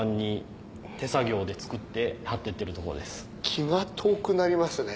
気が遠くなりますね。